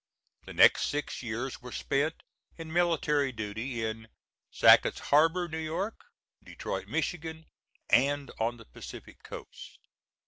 The next six years were spent in military duty in Sacketts Harbor, New York, Detroit, Michigan, and on the Pacific coast.